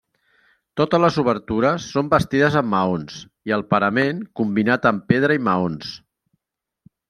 Totes les obertures són bastides amb maons i el parament combinat amb pedra i maons.